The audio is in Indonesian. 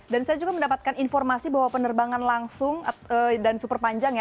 dan saya juga mendapatkan informasi bahwa penerbangan langsung dan super panjang ya